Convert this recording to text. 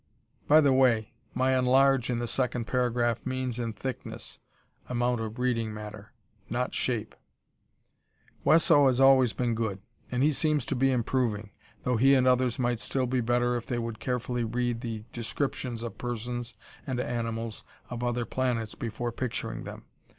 By the way, my "enlarge" in the second paragraph means in thickness (amount of reading matter), not shape. Wesso has always been good, and he seems to be improving, though he and others might be still better if they would carefully read the descriptions of persons and animals of other planets before picturing them.